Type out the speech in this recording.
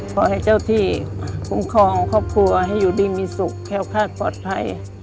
ขอให้เจ้าที่คุ้มครองครอบครัวให้อยู่ดีมีสุขแค้วคาดปลอดภัย